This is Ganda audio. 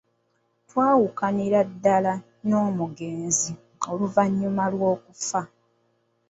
twawukanira ddaala n'omugenzi oluvannyuma lw'okufa.